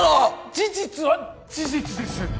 事実は事実です